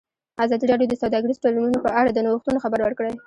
ازادي راډیو د سوداګریز تړونونه په اړه د نوښتونو خبر ورکړی.